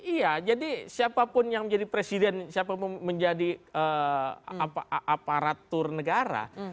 iya jadi siapapun yang menjadi presiden siapa menjadi aparatur negara